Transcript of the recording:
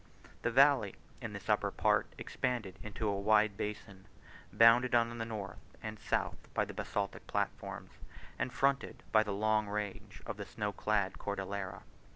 The valley in this upper part expanded into a wide basin, bounded on the north and south by the basaltic platforms, and fronted by the long range of the snow clad Cordillera.